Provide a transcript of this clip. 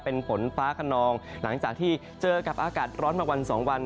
เป็นฝนฟ้าขนองหลังจากที่เจอกับอากาศร้อนมาวันสองวัน